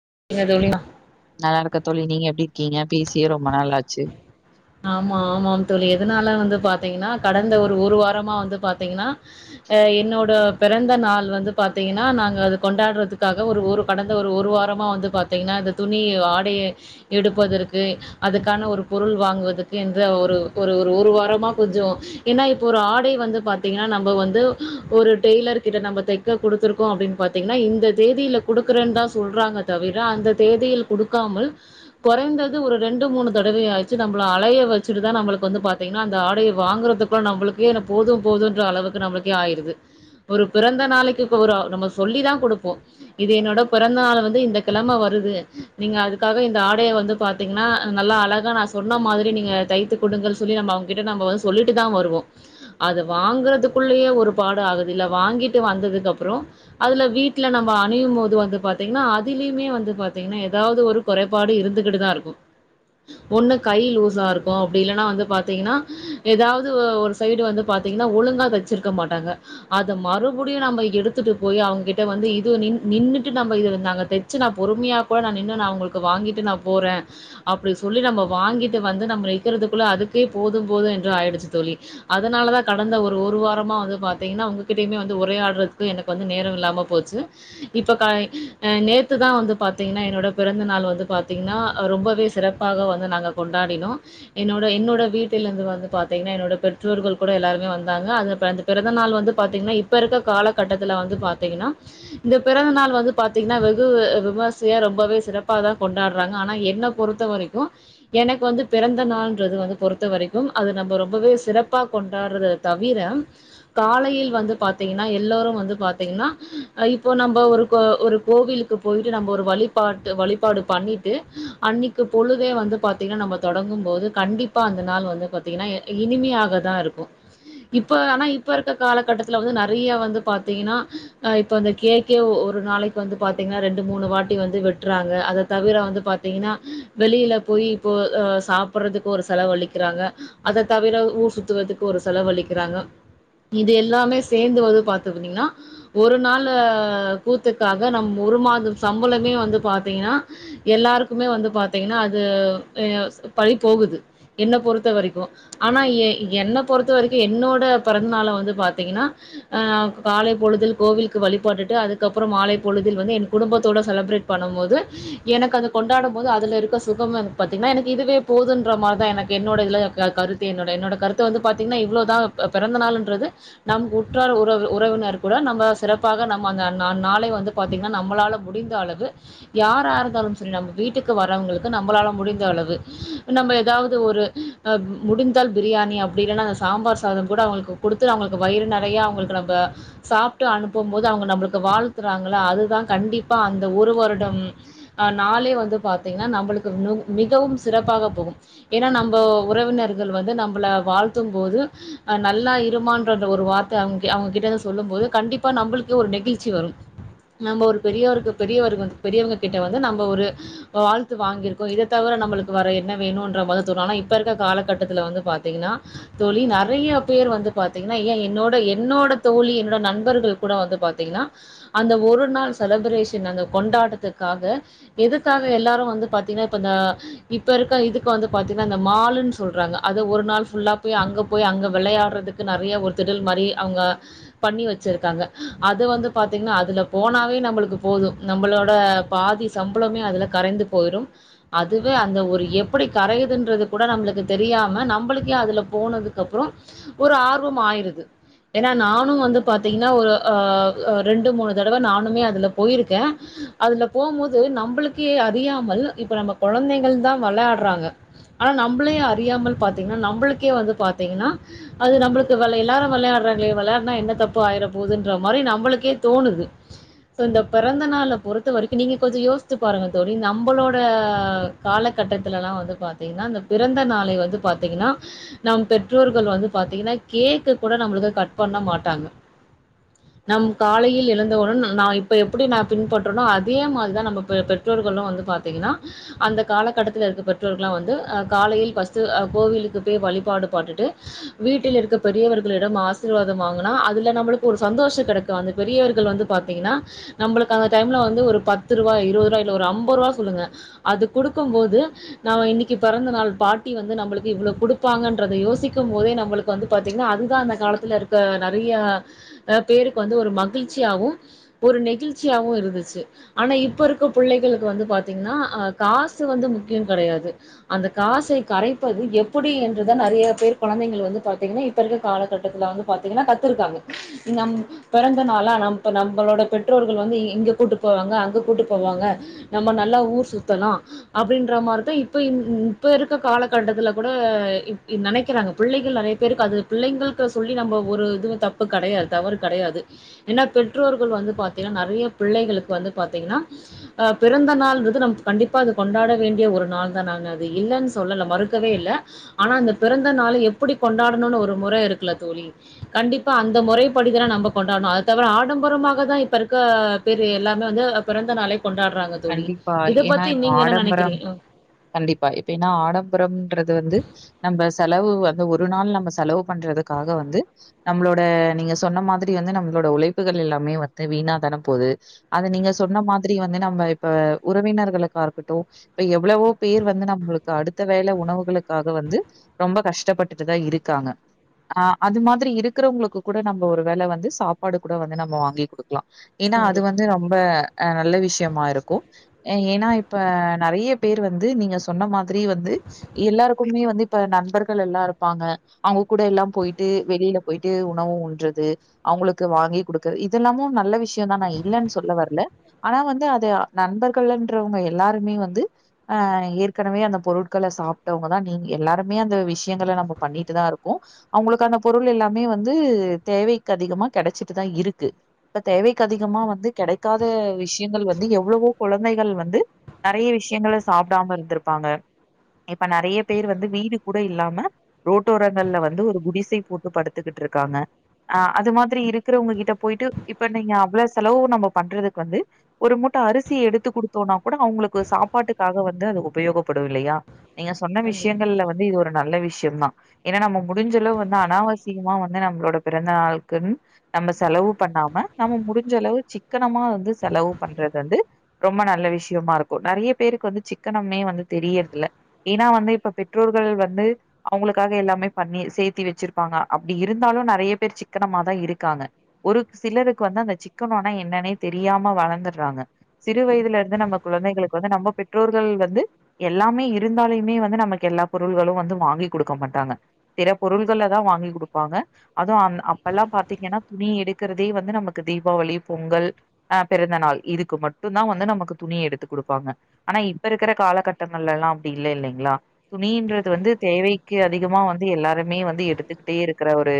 [unintelligible] நல்லாருக்க தோழி நீங்க எப்டி இருக்கீங்க பேசியே ரொம்ப நாளாச்சு ஆமா ஆமாம் தோழி எதனால வந்து பாத்தீங்னா கடந்த ஒரு ஒரு வாரமா வந்து பாத்தீங்னா ஆ என்னோட பிறந்த நாள் வந்து பாத்தீங்னா நாங்க அது கொண்டாட்றதுக்காக ஒரு கடந்த ஒரு ஒரு வாரமா வந்து பாத்தீங்னா இந்த துணி ஆடைய எடுப்பதற்கு அதுக்கான ஒரு பொருள் வாங்குவது க்கு என்று ஒரு ஒரு ஒரு வாரமா கொஞ்சோ ஏனா இப்ப ஒரு ஆடை வந்து பாத்தீங்கனா நம்ம வந்து ஒரு டெய்லர் கிட்ட நம்ம தைக்க குடுத்துருக்கோ அப்டின் பாத்தீங்னா இந்த தேதில குடுக்குறன் தா சொல்றாங்க தவிர அந்த தேதியில் குடுக்காமல் கொறைந்தது ஒரு ரெண்டு மூணு தடவயாச்சு நம்ம நம்ல அலைய வச்சட்டு தா நம்ளுக்கு வந்து பாத்தீங்கனா அந்த ஆடைய வாங்றதுக்குள்ள நம்ளுக்கே போது போதுன்ற அளவுக்கு நம்ளுக்கே ஆயிடுது ஒரு பிறந்த நாளைக்கு ஒரு நம்ம சொல்லிதா குடுப்போ இது என்னோட பிறந்த நாள் வந்து இந்த கிழம வருது நீங்க அதுக்காக இந்த ஆடைய வந்து பாத்தீங்னா நல்லா அழகா ந சொன்ன மாதிரி நீங்க தைத்து குடுங்கள்னு சொல்லி நம்ம அவங்ககிட்ட நம்ம வந்து சொல்லிட்டுதா வருவோ அது வாங்குறதுக்குள்ளயே ஒரு பாடு ஆகுது இல்ல வாங்கிட்டு வந்ததுக்கு அப்ற அதுல வீட்ல நம்ம அணியு போது வந்து பாத்தீங்னா அதுலியுமே வந்து பாத்தீங்னா எதாவது ஒரு குறைபாடு இருந்துகிட்டு தாருக்கு ஒன்னு கை லூஸாருக்கு அப்டி இல்லனா வந்து பாத்தீங்னா எதாவது ஒரு சைடு வந்து பாத்தீங்னா ஒழுங்கா தைச்சிருக்க மாட்டாங்க அத மறுபடியு நம்ம எடுத்துட்டு போய் அவங்க கிட்ட வந்து இது நின் நின்னுட்டு நம்ம இது வந்தாங்க தைச்சு நா பொறுமையா கூட நா நின்னு நா அவங்களுக்கு வாங்கிட்டு நா போறே அப்டின் சொல்லி நம்ம வாங்கிட்டு வந்து நம்ம இருக்கிறதுக்குள்ள அதுக்கே போது போது என்று ஆயிடுச்சு தோழி அதனாலதா கடந்த ஒரு ஒரு வாரமா வந்து பாத்தீங்னா உங்ககிட்டயுமே வந்து உரையாடுறதுக்கு எனக்கு வந்து நேரொ இல்லாம போச்சு இப்ப கை நேத்துதா வந்து பாத்தீங்னா என்னோட பிறந்த நாள் வந்து பாத்தீங்னா ரொம்பவே சிறப்பாக வந் து நாங்க கொண்டாடினோ என்னோட என்னோட வீட்டிலந்து பாத்தீங்னா என்னோட பெற்றோர்கள் கூட எல்லாருமே வந்தாங்க அந்த அந்த பிறந்தநாள் வந்து பாத்தீங்னா இப்ப இருக்க காலகட்டத்துல வந்து பாத்தீங்னா இந்த பிறந்தநாள் வந்து பாத்தீங்னா வெகு விமரிசியா ரொம்பவே சிறப்பாதா கொண்டாடுறங்க ஆனா என்ன பொறுத்த வரைக்கு எனக்கு வந்து பிறந்த நாள்ன்றது வந்து பொறுத்த வரைக்கு அது நம்ம ரொம்பவே சிறப்பா கொண்டாடுறது தவிர காலையில் வந்து பாத்தீங்னா எல்லோரு வந்து பாத்தீங்னா இப்போ நம்ம ஒரு கோ ஒரு கோவிலுக்கு போயிட்டு நம்ம ஒரு வழிபாட்டு வழிபாடு பண்ணிட்டு அன்னைக்கு பொழுது தே வந்து பாத்தீங்னா நம்ம தொடங்கும் போது கண்டிப்பா அந்த நாள் வந்து பாத்தீங்னா இனிமையாக தாருக்கு இப்ப ஆனா இப்ப இருக்க காலகட்டத்துல வந்து நறைய வந்து பாத்தீங்னா இப்ப இந்த கேகே ஒரு நாளைக்கு வந்து பாத்தீங்னா ரெண்டு மூணு வாட்டி வந்து வெட்றாங்க அத தவிர வந்து பாத்தீங்னா வெளில போய் இப்போ ஆ சாப்புட்றதுக்கு ஒரு செலவு அழிக்கிறாங்க அத தவிர ஊர் சுத்துவதுக்கு ஒரு செலவு அழிக்கிறாங்க இது எல்லாமே சேந்து வந்து பாத்தனீங்கன்னா ஒரு நாளு கூத்துக்காக நம் ஒரு மாதம் சம்பளமே வந்து பாத்தீங்னா எல்லாருக்குமே வந்து பாத் தீங்னா அது [unintelligible] பரி போகுது என்ன பொறுத்த வரைக்கு ஆனா ஏ என்ன பொறுத்த வரைக்கு என்னோட பிறந்த நாள வந்து பாத்தீங்னா ஆ காலை பொழுதில் கோவிலுக்கு வழிபட்டுட்டு அதுக்கப்ற மாலை பொழுதில் வந்து என் குடும்பத்தோட செலப்ரேட் பண்ணும்போது எனக்கு அத கொண்டாடம்போது அதுல இரு க்க சுகம்னு பாத்தீங்னா எனக்கு இதுவே போதுன்ற மாரிதா எனக் என்னோட இதுல க கருத்து என்னோட கருத்து வந்த பாத்தீங்னா இவ்ளோதா ப பிறந்தநாளு ன்றது நம் உற்றார் உறவினர் கூட நம்ம சிறப்பாக நம்ம நா நா நாளை வந்து பாத்திங்னா நம்மளால முடிந்த அளவு யாரருந்தாலு சரி நம்ம வீட்டுக்கு வரவங்களுக்கு நமளால முடிந்த அளவு நம்ம ஏதாவது ஒரு முடிந்தால் பிரியாணி அப்டி இல்லனா அந் சாம்பார் சாதம்கூட அவங்களுக்கு குடுத்து அவங்களுக்கு வயிறு நறைய அவங்களுக்கு நம்ப சாப்ட்டு அனுப்பும்போது அவங்க நம்புளுக்கு வாழ்த்துறாங்கல அதுதா கண்டிப்பா அந்த ஒரு வருடம் ஆ நாளே வந்து பாத்தீங்னா நம்மளுக் கு இன்னு மிகவும் சிறப்பாக போகும் ஏனா நம்ப உறவினர்கள் வந்து நம்பள வாழ்த்தும் போது ஆ நல்லா இருமான்ற அந்த ஒரு வார்த்த அவங் அவங்ககிட்டந்து சொல்லும் போது கண்டிப்பா நம்புளுக்கே ஒரு நெகிழ்ச்சி வரும் நம்ம ஒரு பெரியரு பெரிய பெரியவங்க கிட்ட வந்து நம்ம ஒரு வாழ்த்து வாங்கிருக் கோ இத தவிர நம்பளுக்கு வேற என்ன வேணுன்ற மாரி தா தோணு ஆனா இப்பருக்க காலகட்டத்துல வந்து பாத்தீங்னா தோழி நறைய பேர் வந்து பாத்தீங்னா ஏன் என்னோட என்னோட தோழி என்னோட நண்பர்கள் கூட வந்து பாத்தீங்னா அந்த ஒரு நாள் செலப்ரேஷன் அந்த கொண்டாட்டத்துக்காக எதுக்காக எல்லாரு வந்து பாத்தீங்னா இப்ப இருக்க இதுக்கு வந்து பாத்தீங்னா இந்த மாளுன் சொல்றாங்க அத ஒரு நாள் ஃபுல்லா போய் அங்க போய் அங்க விளையாடுறதுக்கு நறைய ஒரு திடல் மாரி அவங்க பண்ணி வச்சிருக்காங்க அது வந்து பாத்தீங்னா அதுல போனாவே நம்மளுக்கு போதும் நம்மளோட பாதி சம்பளமே அதுல கரைந்து போயிரு அதுவே அந்த ஒரு எப்டி கரையுதுன்றது கூட நம்புளுக்கு தெரியாம நம்புளுக்கே அதுல போனதுக்கு அப்ற ஒரு ஆர்வம் ஆயிருது ஏனா நானு வந்து பாத்தீங்னா ஒரு ஆ ரெண்டு மூணு தடவ நானுமே அதுல போயிருக்கே அதுல போம்போது நம்புளுக்கே அறியாமல் இப்போ நம்ம கொழந்தைங்கள் தா விளையாட்றாங்க ஆனா நம்ளே அறியாமல் பாத்தீங்னா நம்புளுக்கே வந்து பாத்தீங்னா அது நம்ளுக்கு எல்லாரும் வெளையாடுறாங்களே வெளயாடுனா என்ன தப்பு ஆயிர போதுன்ற மாரி நம்ளுக்கே தோணுது சோ இந்த பிறந்த நாள பொறுத்த வரைக்கு நீங்க கொஞ்சோ யோசித்து பாருங்க தோழி நம்ளோட காலகட்டத்துலலா வந்து பாத்தீங்னா இந்த பிறந்த நாளை வந்து பாத்தீங்னா நம் பெற்றோர்கள் வந்து பாத்தீங்னா கேக்கு கூட நம்ளுக்கு கட் பண்ண மாட்டாங்க நம் காலையில் எழந்தவுடன் நா இப்ப எப்டி நா பின்பற்றனோ அதே மாரிதா நம்ம பெ பெற்றோர்களு வந்து பாத்தீங்னா அந்த காலகட்டத்துல ருக்க பெற்றோர்கள்லா வந்து ஆ காலையில் ஃபஸ்ட்டு ஆ கோவிலுக்கு போய் வழிபாடு பண்ணிட்டு வீட்டில் இருக்க பெரியவர்களிடம் ஆசீர்வாதம் வாங்குனா அதுல நம்ளுக்கு ஒரு சந்தோஷம் கெடைக்கும் அந்த பெரியவர்கள் வந்து பாத்தீங்னா நம்ளுக்கு அந்த டைம்ல வந்து ஒரு பத்துரூவா இருவதுரூவா இல்ல ஒரு அம்பரூவா சொல்லுங்க அது கொடுக்கும் போது நம்ம இன்னைக்கு பிறந்த நாள் பாட்டி வந்து நம்ளுக்கு இவ்ளோ குடுப்பாங்கன்றத யோசிக்கும் போதே நம்ளுக்கு வந்து பாத்தீங்னா அதுதா அந்த காலத்துல இருக்க நறைய பேருக்கு வந்து ஒரு மகிழ்ச்சியாவு ஒரு நெகிழ்ச்சியாவு இருந்துச்சு ஆனா இப்பருக்க புள்ளைகளுக்கு வந்து பாத்தீங்னா ஆ காசு வந்து முக்கியோ கெடையாது அந்த காசை கரைப்பது எப்புடி என்றுதா நறைய பேர் கொழந்தைங்கள் வந்து பாத்தீங்னா இப்ப இருக்க காலகட்டத்துல வந்து பாத்தீங்னா கத்துருக்காங்க நம் பிறந்த நாளா நம் நம்மளோட பெற்றோர்கள் வந்து இங்க கூட்டு போவாங்க அங்க கூட்டு போவாங்க நம்ம நல்லா ஊர் சு த்தலா அப்டின்ற மாரிதா இப்ப இப்பருக்க காலகட்டத்துல கூட ந நெனைக்கறாங்க பிள்ளைகள் நறைய பேருக்கு அது பிள்ளைங்களுக்கு சொல்லி நம்ம ஒரு இதுவு தப்பு கடையாது தவறு கடையாது ஏனா பெற்றோர்கள் வந்து பாத்தீங்னா நறைய பிள்ளைகளுக்கு வந்து பாத்தீங்னா ஆ பிறந்த நாள் ன்றது நம் கண்டிப்பா அது கொண்டாட வேண்டிய ஒரு நாள் தா நா அத இல்லன்னு சொல்லல மறுக்கவே இல்ல ஆனா அந்த பிறந்த நாள் எப்புடி கொண்டாடணுனு ஒரு முற இருக்குல தோழி கண்டிப்பா அந்த முறைப்படி தான நம்ம கொண்டாடணு அது தவிர ஆடம்பரமாக தா இப்ப ருக்க பெரிய எல்லாமே வந்து பிறந்த நாளை கொண்டாட்றாங்க தோழி ஏனா பத்தி இப்ப நீங்க என்ன ஆடம்பரம் நெனைக்கிறீங்க கண்டிப்பா இப்ப ஏனா ஆடம்பரம் றது வந்து நம்ம செலவு வந்து ஒரு நாள் நம்ம செலவு பண்றதுக்காக வந்து நம்ளோட நீங்க சொன்ன மாதிரி வந்து நம்ளோட உழைப்புகள் எல்லாமே வந்து வீணா தான போது அது நீங்க சொன்ன மாதிரி வந்து நம்ம இப்ப உறவினர்களுக்கா இருக்கட்டு இப்ப எவ்வளவோ பேர் வந்து நம்ளுக்கு அடுத்த வேல உணவுகளுக்காக வந்து ரொம்ப கஷ்டப்பட்டுட்டுதா இருக்காங்க ஆ அது மாதிரி இருக்கிறவங்களுக்கு கூட நம்ம ஒரு வேள வந்து சாப்பாடு கூட வந்து நம்ம வாங்கி குடுக் க்லா ஏனா அது கண்டிப்பா வந்து ரொம்ப ஆ நல்ல விஷயமா இருக்கு கு ஏன்னா இப்ப நெறைய பேர் வந்து நீங்க சொன்ன மாதிரி வந்து எல்லாருக்குமே வந்து இப்ப நண்பர்கள் எல்லா இருப்பாங்க அவுங்க கூட எல்லாம் போயிட்டு வெளியில போயிட்டு உணவு உண்றது அவங்களுக்கு வாங்கி குடுக்கறது இதெல்லாமு நல்ல விஷயம் தா நா இல்லன்னு சொல்ல வரல ஆனா வந்து அத நண்பர்கள்ன்றவங்க எல்லாருமே வந்து அஹ் ஏற்கனவே அந்த பொருட்கள சாப்ட்டவங்கதா நீங்க எல்லாருமே அந்த விஷயங்கள நம்ப பண்ணிட்டுதா இருக்கோ அவங்களுக்கு அந்த பொருள் எல்லாமே வந்து தேவைக்கு அதிகமா கெடைச்சிட்டுதா இருக்கு இப்ப தேவைக்கு அதிகமா வந்து கெடைக்காத விஷயங்கள் வந்து எவ்ளோ எவ்ளவோ குழந்தைகள் வந்து நெறைய விஷயங்கள சாப்டாம இருந்திருப்பாங்க இப்ப நெறைய பேர் வந்து வீடு கூட இல்லாம ரோட்டோரங்கள்ல வந்து ஒரு குடிசை போட்டு படுத்துக்கிட்டு இருக்காங்க அ அது மாதிரி இருக்கிறவங்க கிட்ட போயிட்டு இப்ப நீங்க அவ்ளவு செலவு நம்ம பண்றதுக்கு வந்து ஒரு மு மூட்ட அரிசி எடுத்து குடுத்தோனா கூட அவுங்களுக்கு சாப்பாட்டுக்காக வந்து அது உபயோகப்படு இல்லையா நீங்க சொன்ன கண்டிப்பா விஷயங்கள்ல வந்து இது ஒரு நல்ல வி விஷயம் தா ஏன்னா நம்ம முடிஞ்சளவு வந்து அனாவசியமா வந்து நம்பளோட பிறந்த நாளுக்குன் நம்ம செலவு பண்ணாம நம்ம முடிஞ்சளவு சிக்கனமா வந்து செலவு பண்றது வந்து ரொம்ப நல்ல விஷயமா இருக்கும் நெறைய பேருக்கு வந்து சிக்கனமே வந்து தெரியறதில்ல ஏன்னா வந்து இப்ப பெற்றோர்கள் வந்து அவுங்களுக்காக எல்லாமே பண்ணி சேத்தி வச்சிருப்பாங்க அப்டி இருந்தாலும் நேறைய பேர் சிக்கனமாதா இருக்காங்க ஒரு சிலருக்கு வந்து அந்த சிக்கனம்னா என்னன்னே தெரியாம வளந்துட்றாங்க சிறு வயதுல இருந்து நம்ம குழந்தைகளுக்கு வந்து நம்ம பெற்றோர்கள் வந்து எல்லாமே இருந்தாலையுமே வந்து நமக்கு எல்லா பொருள்களும் வந்து வாங்கி்க் கொடுக்க மாட்டாங்க சில பொருள்களதா வாங்கிக் கொடுப்பாங்க அதுவும் அந்த அப்பல்லாம் பாத்தீங்கன்னா துணி எடுக்கறதே வந்து நமக்கு தீபாவளி பொங்கல் ஆ பிறந்தநாள் இதுக் கு மட்டும்தா வந்து நமக்கு துணி எடுத்துக் குடுப்பாங்க ஆனா இப்ப இருக்கற காலகட்டங்கள் எல்லா அப்டி இல்ல இல்லைங்களா துணின்றது வந்து தேவைக்கு அதிகமா வந்து எல்லாருமே வந்து எடுத்துக்கிட்டே இருக்கற ஒரு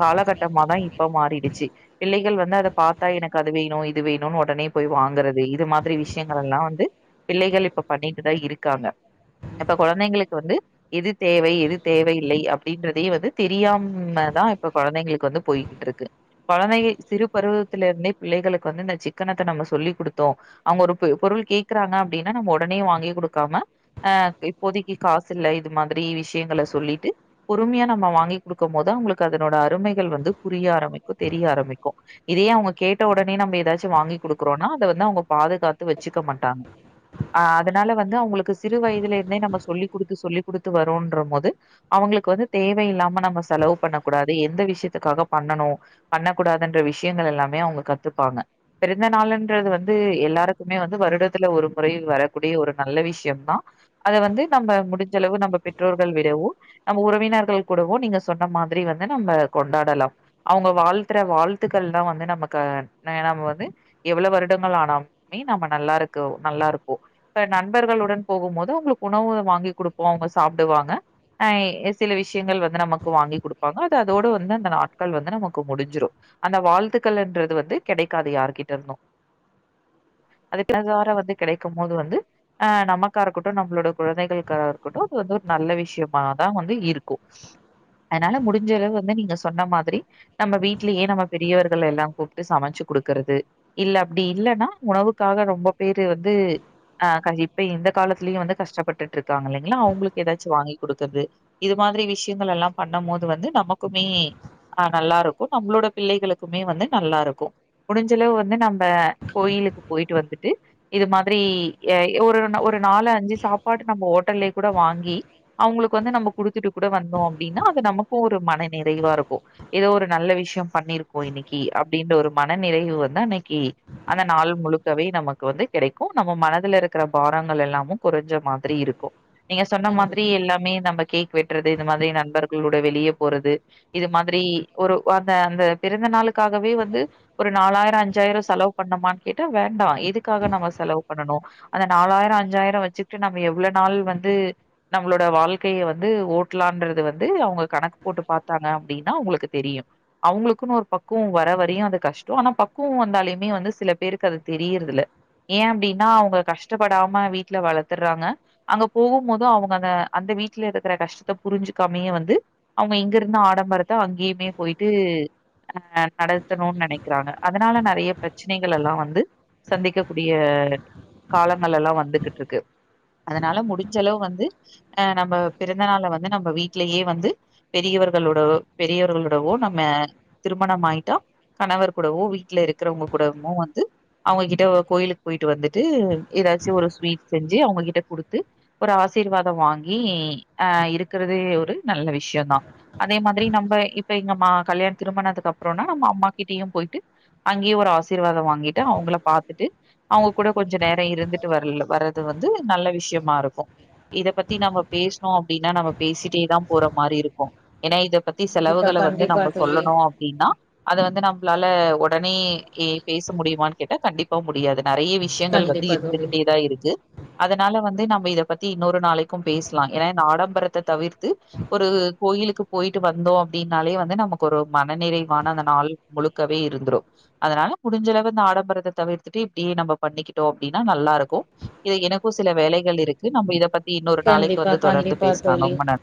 காலகட்டமாதா இப்ப மாறிடுச்சு பிள்ளைகள் வந்து அத பாத்தா எனக்கு அது வேணும் இது வேணும்னு ஒடனே போய் வாங்குறது இது மாதிரி விஷயங்கள் எல்லா வந்து பிள்ளைகள் இப்ப பண்ணிட்டுதா இருக்காங்க இப்ப குழந்தைங்களுக்கு வந்து எது தேவை எது தேவ இல்லை அப்டின்றதையே வந்து தெரியாமதா இப்ப குழந்தைங்களுக்கு வந்து போய்கிட்டு இருக்கு குழந்தைக சிறு பருவத்தில இருந்தே பிள்ளைகளுக்கு வந்து இந்த சிக்கனத்த நம்ம சொ சொல்லிக் குடுத்தோம் அவுங்க ஒரு பொ பொருள் கேக்குறாங்க அப்டின்னா நம்ம ஒடனே வாங்கி கொடுக்காம ஆ இப்போதக்கி காசு இல்ல இது மாதிரி விஷயங்கள சொல்லிட்டு பொறுமையா நம்ம வாங்கி கொடுக்கும் போது அவுங்களுக்கு அதனோட அருமைகள் வந்து புரிய ஆரம்பிக்கும் தெரிய ஆரம்பிக்கும் இதே அவுங்க கேட்ட ஒடனே நம்ம ஏதாச்சும் வாங்கி கொடுத் க்குறோன்னா அத வந்து அவுங்க பாதுகாத்து வச்சுக்க மாட்டாங்க ஆ அதனால வந்து அவுங்களுக்கு சிறு வயதுல இருந்தே நம்ம சொல்லிக் குடுத்து சொல்லிக் குடுத்து வரும்ன்ற போது அவுங்களுக்கு வந்து தேவ இல்லாம நம்ம செலவு பண்ணக்கூடாது எந்த விஷயத்துக்காக பண்ணனும் பண்ணக்கூடாதுன்ற விஷயங்கள் எல்லாமே அவுங்க கத்துப்பாங்க பெரிய இந்த நாள்ன்றது வந்து எல்லாருக்குமே வந்து வருடத்துல ஒரு முறை வரக்கூடிய ஒரு நல்ல விஷயம்தா அத வந்து நம்ப முடிஞ்சளவு நம்ப பெற்றோர்கள் விடவோ நம்ம உறவினர்கள் கூடவோ நீங்க சொன்ன மாதிரி வந்து நம்ப கொண்டாடலாம் அவங்க வாழ்த்துற வாழ்த்துக்கள்தா வந்து நமக்கு நம்ப வந்து எவ்ளோ வருடங்கள் ஆனாமே நம்ம நல்லா இருக்க நல்லா இருப்போம் இப்ப நண்பர்களுடன் போகும் போது அவுங்களுக்கு உணவு வாங்கிக் குடுப்போம் அவுங்க சாப்டுவாங்க ஆ சில விஷயங்கள் வந்து நமக்கு வாங்கி குடுப்பாங்க அது அதோட வந்து அந்த நாட்கள் வந்து நமக்கு முடிஞ்சுரும் அந்த வாழ்த்துக்கள் என்றது வந்து கெடைக்காது யார்கிட் னும் அதுக்காக தார வந்து கெடைக்கும் போது வந்து ஆ நமக்கா இருக்கட்டும் நம்மளோட குழந்தைகளுக்காக இருக்கட்டும் அது வந்து ஒரு நல்ல விஷயமாதா வந்து இருக்கும் அதனால முடிஞ்சளவு வந்து நீங்க சொன்ன மாதிரி நம்ம வீட்லயே நம்ம பெரியவர்கள் எல்லாம் கூப்ட்டு சமைச்சு குடுக்கறது இல்ல அப்டி இல்லன்னா உணவுக்காக ரொம்ப பேரு வந்து ஆ இப்ப இந்த காலத்துலயும் வந்து கஷ்டப்பட்டுட்டு இருக்காங்க இல்லங்களா அவுங்களுக்கு ஏதாச்சும் வாங்கி குடுக்குறது இது மாதிரி விஷயங்கள் எல்லாம் பண்ணும் போது வந்து நமக்குமே ஆ நல்லா இருக்கும் நம்மளோட பிள்ளைகளுக்குமே வந்து நல்லா இருக்கும் முடிஞ்சளவு வந்து வந்து நம்ப கோயிலுக்கு போயிட்டு வந்துட்டு இது மாதிரி ஆ ஒரு ஒரு நாலு அஞ்சு சாப்பாடு நம்ம ஹோட்டல்லயே கூட வாங்கி அவுங்களுக்கு வந்து நம்ம குடுத்துட்டு கூட வந்தோம் அப்டின்னா அது நமக்கும் ஒரு மன நிறைவா இருக்கும் ஏதோ ஒரு நல்ல விஷயம் பண்ணிருக்கோம் இன்னக்கி அப்படின்ற ஒரு மன நிறைவு வந்து அன்னைக் னக்கி அந்த நாள் முழுக்கவே நமக்கு வந்து கெடைக்கும் நம்ம மனதுல இருக்கிற பாரங்கள் எல்லாமும் குறைஞ்ச மாதிரி இருக்கும் நீங்க சொன்ன மாதிரி கண்டிப்பா எல்லாமே நமக்கே வெட்டுறது இது மாதிரி நண்பர்களோட வெளியே போறது இது மாதிரி ஒரு அந்த அந்த பிறந்த நாளுக்காகவே வந்து ஒரு நாலாயிரம் அஞ் அஞ்சாயிரம் செலவு பண்ணனுமான்னு கேட்டா வேண்டா எதுக்காக நம்ம செலவு பண்ணனும் அந்த நாலாயிரம் அஞ்சாயிரம் வச்சிட்டு நம்ம எவ்வளவு நாள் வந்து நம்மளோட வாழ்க்கைய வந்து ஓட்லான்றது வந்து அவுங்க கணக்கு போட்டு பாத்தாங்க அப்டின்னா அவுங்களுக்கு தெரியும் அவுங்களுக்குன்னு ஒரு பக்குவம் வர வரையும் அது கஷ்டம் ஆனா பக் கோவ வந்தாலுமே வந்து சில பேருக்கு அது தெரியறதுல்ல ஏன் அப்டின்னா அவுங்க கஷ்டப்படாம வீட்ல வளத்துர்றாங்க அங்க போகும் போது அவுங்க அந்த அந்த வீட்ல இருக்கிற கஷ்டத்த புரிஞ்சுக்காமையே வந்து அவுங்க இங்க இருந்த ஆடம் ம்பரத்த அங்கேயுமே போயிட்டு ஆ நடத்தணும்னு நெனக்கிறாங்க அதனால நெறைய பிரச்செனைகள் எல்லா வந்து சந்திக்கக்கூடிய காலங்கள் எல்லா வந்துக்கிட்டு இருக்கு அதனால முடிஞ்சளவு வந்து ஆ நம்ப பிறந்த நாள வந்து நம்ம வீட்லயே வந்து பெரியவர்களோட பெரியவர்களோடவோ நம்ம திருமணம் ஆயிட்டா கணவர் கூடவோ வீட்ல இருக்கிறவங்க கூடமும் வந்து அவுங்ககிட்ட கோயிலுக்கு போயிட்டு வந்துட்டு ஏதாச்சும் ஒரு ஸ்வீட் செஞ்சு அவுங்ககிட்ட குடுத்து ஒரு ஆசீர்வாதம் வாங்கி ஆ இருக்கறதே ஒரு நல்ல விஷயம்தா அதே மாதிரி நம்ப இப்ப இங்க மா கல்யாண திருமணத்துக்கு அப்புறம்னா நம்ம அம்மாக்கிட்டயும் போய் ட்டு அங்கேயே ஒரு ஆசீர்வாதம் வாங்கிட்டு அவுங்கள பாத்துட்டு அவுங்க கூட கொஞ்சம் நேரம் இருந்துட்டு வர்ல வர்றது வந்து நல்ல விஷயமா இருக்கும் இத பத்தி நம்ப பேசுனோம் அப்டின்னா நம்ம பேசிட்டேதா போற மாரி இருக்கும் ஏன்னா இத பத்தி கண்டிப்பா செலவுகள வந்து கண்டிப்பா நம்ம தோழி சொல்லணும் அப்டின்னா அது வந்து நம்மளால லே ஒடனே ஏ பேச முடியுமானு கேட்டா கண்டிப்பா முடியாது நெறய விஷயங்கள் வந்து கண்டிப்பா தோழி இருந்துகிட்டேதா இருக்கு அதனால வந்து நம்ப இத பத்தி இன்னொரு நாளைக்கும் பேசலாம் ஏன்னா இந்த ஆடம்பரத்த தவிர்த்து ஒரு கோயிலுக்கு போயிட்டு வந்தோம் அப்படின்னாலே வந்து நமக்கு ஒரு மன நிறைவான அந்த நாள் முழுக் இருக்கவே இருந்துரும் அதனால முடிஞ்சளவு இந்த ஆடம்பரத்த தவிர்த்துட்டு இப்படியே நம்ம பண்ணிக்கிட்டோம் அப்டின்னா நல்லா இருக்கும் இது எனக்கும் சில வேலைகள் இருக்கு நம்ப இத பத்தி இன்னொரு நாளைக்கு கண்டிப்பா வந்து தொடர்ந்து கண்டிப்பா பேசலாம் தோழி ரொம்ப நன்